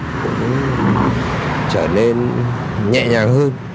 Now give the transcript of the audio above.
cũng trở nên nhẹ nhàng hơn